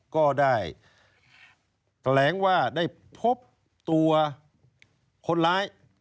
ก็ได้แถลงว่าได้พบตัวคนร้าย